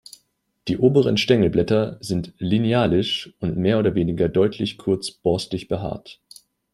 Die oberen Stängelblätter sind linealisch und mehr oder weniger deutlich kurz borstig behaart.